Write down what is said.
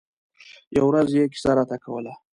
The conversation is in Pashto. يوه ورځ يې کیسه راته کوله.